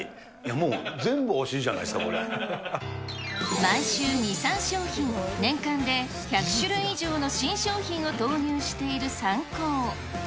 もう全部欲しいじゃないですか、毎週２、３商品、年間で１００種類以上の新商品を投入しているサンコー。